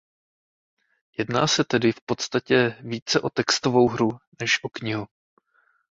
Jedná se tedy v podstatě více o textovou hru než o knihu.